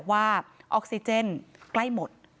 ว่าออกซิเจนใกล้หมด